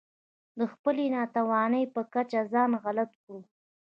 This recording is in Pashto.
د خپلې ناتوانۍ په کچه ځان غلط کړو.